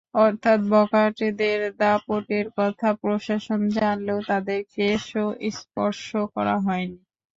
অর্থাৎ বখাটেদের দাপটের কথা প্রশাসন জানলেও তাদের কেশও স্পর্শ করা হয়নি।